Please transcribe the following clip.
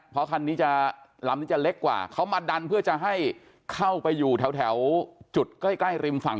เพราะคันนี้จะลำนี้จะเล็กกว่าเขามาดันเพื่อจะให้เข้าไปอยู่แถวจุดใกล้ใกล้ริมฝั่ง